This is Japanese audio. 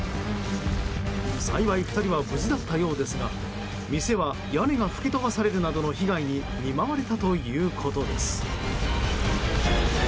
幸い２人は無事だったようですが店は屋根が吹き飛ばされるなどの被害に見舞われたということです。